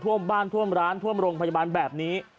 ท่วมบ้านท่วมร้านท่วมโรงพยาบาลแบบนี้